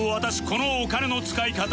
このお金の使い方